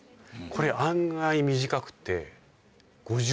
これ案外短くって。